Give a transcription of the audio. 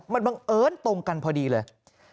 มันบังเอิญตรงกันพอดีเลย